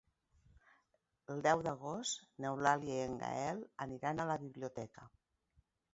El deu d'agost n'Eulàlia i en Gaël aniran a la biblioteca.